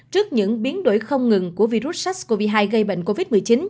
trước những biến đổi không ngừng của virus sars cov hai gây bệnh covid một mươi chín